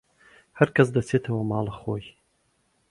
هەرکەسە دەچێتەوە ماڵەخۆی